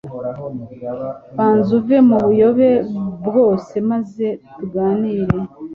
banza uve mu buyobe bwose maze tuganire